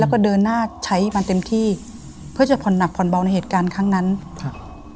แล้วก็เดินหน้าใช้มันเต็มที่เพื่อจะผ่อนหนักผ่อนเบาในเหตุการณ์ครั้งนั้นครับ